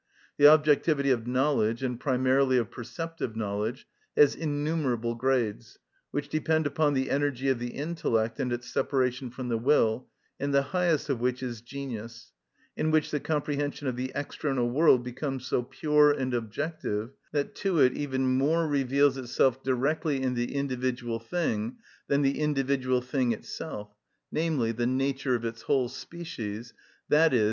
The objectivity of knowledge, and primarily of perceptive knowledge, has innumerable grades, which depend upon the energy of the intellect and its separation from the will, and the highest of which is genius, in which the comprehension of the external world becomes so pure and objective that to it even more reveals itself directly in the individual thing than the individual thing itself, namely, the nature of its whole species, _i.e.